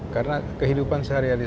karena kehidupan sehari hari